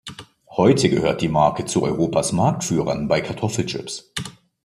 Heute gehört die Marke zu Europas Marktführern bei Kartoffelchips.